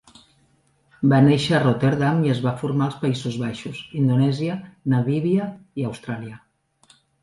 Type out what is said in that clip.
Va néixer a Rotterdam i es va formar als Països Baixos, Indonèsia, Namíbia i Austràlia.